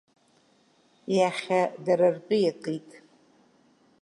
Иахьа дара ртәы иакит.